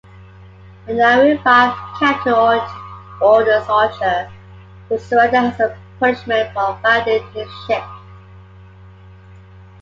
The now-revived captain orders Archer to surrender as punishment for violating his ship.